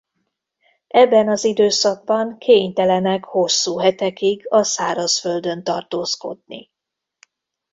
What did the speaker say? Ebben az időszakban kénytelenek hosszú hetekig a szárazföldön tartózkodni.